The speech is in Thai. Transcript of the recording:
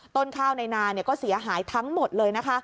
ต้นข้าวในนาก็เสียหายทั้งหมดเลยนะคะ